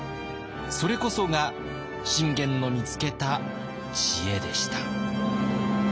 それこそが信玄の見つけた知恵でした。